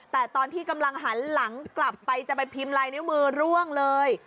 แต่ตอนที่กำลังหันหลังกลับไปจะไปพิมพ์ลายนิ้วมือร่วงเลย